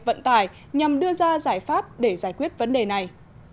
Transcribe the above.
vận tải nhằm đưa ra giải pháp để giải quyết vấn đề này